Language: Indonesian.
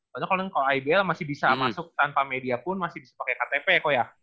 maksudnya kalo ibl masih bisa masuk tanpa media pun masih bisa pake ktp kok ya